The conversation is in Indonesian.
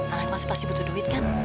anak mas pasti butuh duit kan